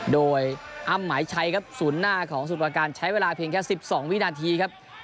โดยอ้ำหมายชัยครับศูนย์หน้าของสมุทรประการใช้เวลาเพียงแค่๑๒วินาทีครับ